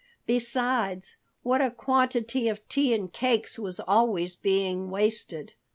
Besides, what a quantity of tea and cakes was always being wasted!